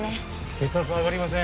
血圧上がりません